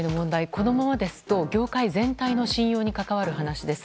このままですと業界全体の信用に関わる話です。